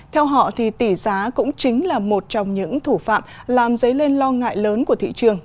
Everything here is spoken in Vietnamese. theo họ tỷ giá cũng chính là một trong những thủ phạm làm dấy lên lo ngại lớn của thị trường